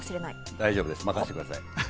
大丈夫、任せてください。